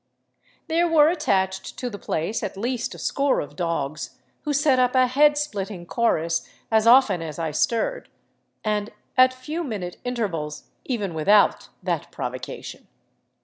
There were attached to the place at least a score of dogs, who set up a head splitting chorus as often as I stirred, and at few minute intervals even without that provocation.